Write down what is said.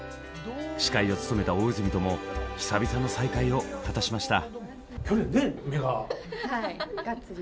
司会を務めた大泉とも久々の再会を果たしました。